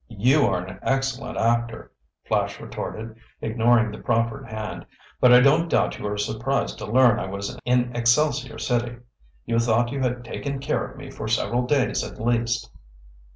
"You are an excellent actor," Flash retorted, ignoring the proffered hand. "But I don't doubt you were surprised to learn I was in Excelsior City. You thought you had taken care of me for several days at least!"